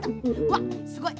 わっすごい！